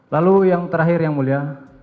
lalu yang terakhir yang mulia